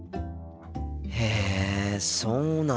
へえそうなんだ。